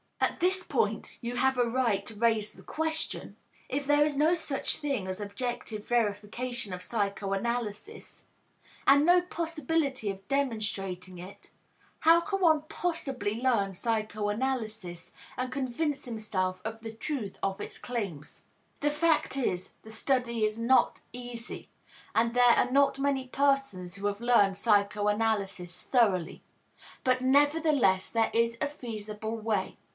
At this point you have a right to raise the question, "If there is no such thing as objective verification of psychoanalysis, and no possibility of demonstrating it, how can one possibly learn psychoanalysis and convince himself of the truth of its claims?" The fact is, the study is not easy and there are not many persons who have learned psychoanalysis thoroughly; but nevertheless, there is a feasible way.